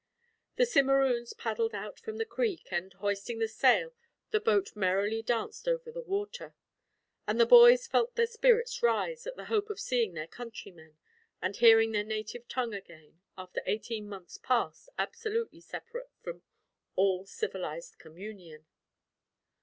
The Simeroons paddled out from the creek and, hoisting the sail, the boat merrily danced over the water; and the boys felt their spirits rise, at the hope of seeing their countrymen, and hearing their native tongue again, after eighteen months passed, absolutely separate from all civilized communion.